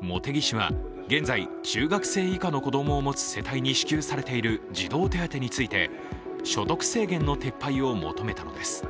茂木氏は現在、中学生以下の子供を持つ世帯に支給されている児童手当について、所得制限の撤廃を求めたのです。